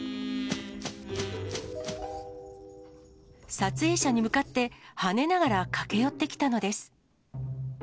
撮影者に向かって跳ねながら駆け寄ってきたのです。